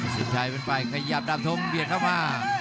สินชัยเป็นฝ่ายขยับดาบทงเบียดเข้ามา